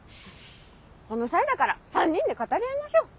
この際だから３人で語り合いましょう！